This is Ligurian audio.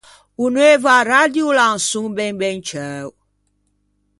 O neuvo aradio o l’à un son ben ben ciæo.